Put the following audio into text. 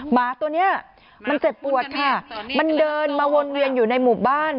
หมาตัวเนี้ยมันเจ็บปวดค่ะมันเดินมาวนเวียนอยู่ในหมู่บ้าน